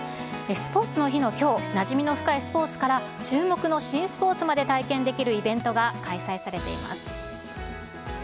スポーツの日のきょう、なじみの深いスポーツから、注目の新スポーツまで体験できるイベントが開催されています。